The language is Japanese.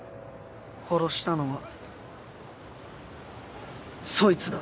殺したのはそいつだ。